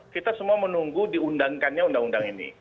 kita semua menunggu diundangkannya undang undang ini